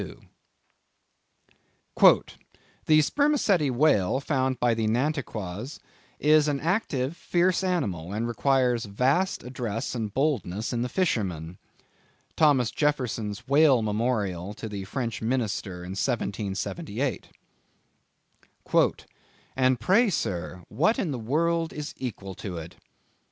"The Spermacetti Whale found by the Nantuckois, is an active, fierce animal, and requires vast address and boldness in the fishermen." —Thomas Jefferson's Whale Memorial to the French minister in 1778. "And pray, sir, what in the world is equal to it?"